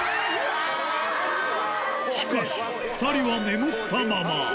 しかし、２人は眠ったまま。